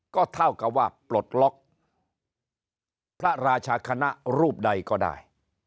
ก็เท่ากับว่าปลดล็อกพระราชคณะรูปใดก็ได้